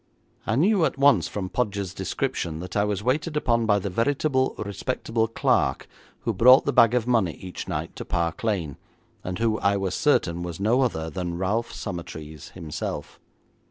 I knew at once from Podgers's description that I was waited upon by the veritable respectable clerk who brought the bag of money each night to Park Lane, and who I was certain was no other than Ralph Summertrees himself.